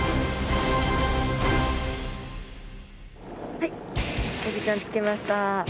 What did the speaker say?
はいエビちゃんつけました。